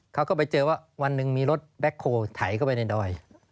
เขาก็ไปเจอว่าวันหนึ่งมีรถแบ็คโฮลไถเข้าไปในดอย